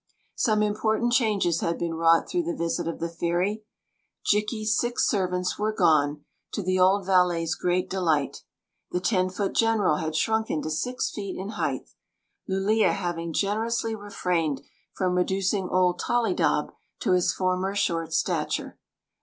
Some important changes had been wrought through the visit of the fairy, Jikki s six servants were gone, to the oM valet's great delight The ten foot general had shrunken to six feet in height, Lulea having gen erously refrained from reducing old Tollydob to his former short stature.